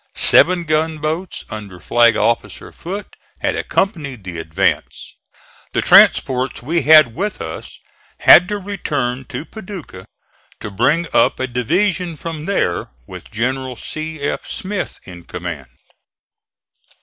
Seven gunboats under Flag officer Foote had accompanied the advance. The transports we had with us had to return to Paducah to bring up a division from there, with General C. F. Smith in command.